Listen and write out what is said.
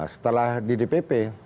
setelah di dpp